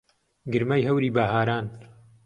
گرمەی هەوری بەهاران